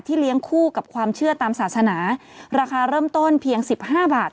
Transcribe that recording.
เลี้ยงคู่กับความเชื่อตามศาสนาราคาเริ่มต้นเพียง๑๕บาท